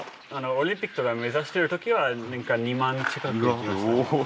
オリンピックを目指してる時は年間２万近く乗ってました。